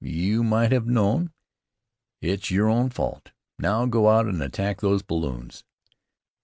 You might have known. It's your own fault. Now go out and attack those balloons.